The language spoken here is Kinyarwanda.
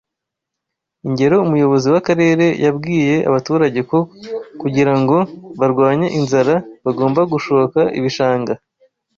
Ingero Umuyobozi w’Akarere yabwiye abaturage ko kugira ngo barwanye inzara bagomba gushoka ibishanga